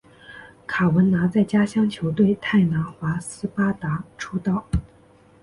卡文拿在家乡球队泰拿华斯巴达出道。